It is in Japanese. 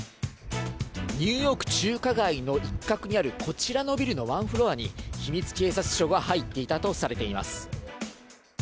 ニューヨーク中華街の一角にあるこちらのビルのワンフロアに、秘密警察署が入っていたとされています。